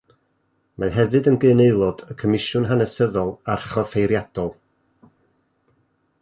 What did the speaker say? Mae hefyd yn gyn aelod y Comisiwn Hanesyddol Archoffeiriadol.